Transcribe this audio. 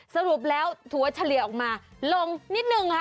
สรุปแล้วถั่วเฉลี่ยออกมาลงนิดนึงค่ะ